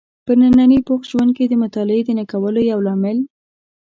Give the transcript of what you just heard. په ننني بوخت ژوند کې د مطالعې د نه کولو یو لامل